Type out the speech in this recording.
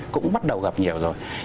cũng bắt đầu gặp nhiều rồi